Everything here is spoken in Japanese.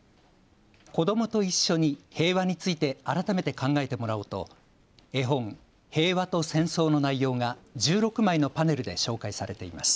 子どもと一緒に平和について改めて考えてもらおうと絵本、へいわとせんそうの内容が１６枚のパネルで紹介されています。